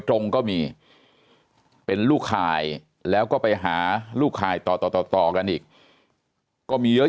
ตรงก็มีเป็นลูกข่ายแล้วก็ไปหาลูกข่ายต่อต่อกันอีกก็มีเยอะ